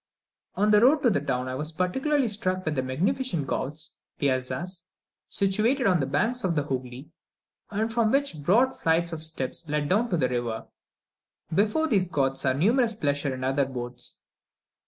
On the road to the town, I was particularly struck with the magnificent gauths (piazzas), situated on the banks of the Hoogly, and from which broad flights of steps lead down to the river. Before these gauths are numerous pleasure and other boats.